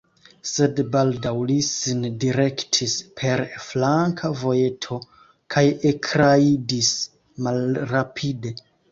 Sed baldaŭ li sin direktis per flanka vojeto kaj ekrajdis malrapide.